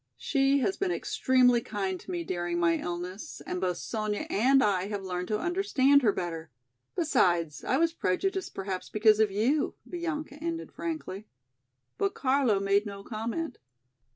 She has been extremely kind to me during my illness and both Sonya and I have learned to understand her better. Besides, I was prejudiced perhaps because of you," Bianca ended frankly. But Carlo made no comment.